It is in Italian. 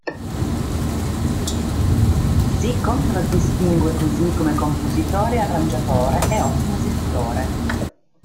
Si contraddistingue così come compositore e arrangiatore e ottimo esecutore.